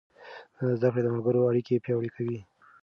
زده کړه د ملګرو اړیکې پیاوړې کوي.